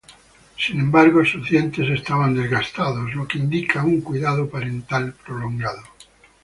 Sin embargo, sus dientes estaban desgastados, lo que indica un cuidado parental prolongado.